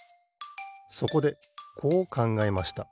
そこでこうかんがえました。